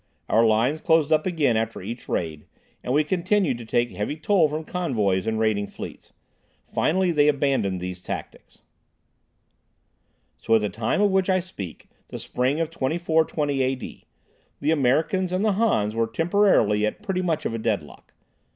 Our lines closed up again after each raid, and we continued to take heavy toll from convoys and raiding fleets. Finally they abandoned these tactics. So at the time of which I speak, the Spring of 2420 A.D., the Americans and the Hans were temporarily at pretty much of a deadlock.